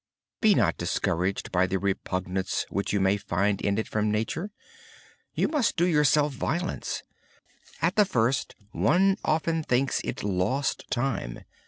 Be not discouraged by the repugnance which you may find in it from nature. You must sacrifice yourself. At first, one often thinks it a waste of time.